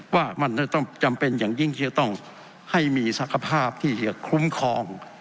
ว่ามันจะต้องจำเป็นอย่างยิ่งที่จะต้องให้มีศักภาพที่จะคุ้มครอง